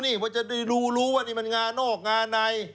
เพราะจะรู้ว่ามันงานอกงานัย